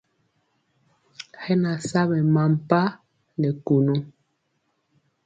Hɛ na sa ɓɛ mampa nɛ kunu.